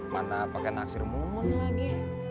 mana pake naksir mumun lagi